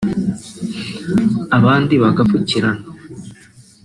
abandi bagapfukiranwa